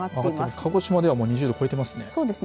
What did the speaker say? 鹿児島では２０度を超えていますね。